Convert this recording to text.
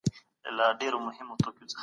حق ته ودرېدل د ننګ او غیرت کار دی.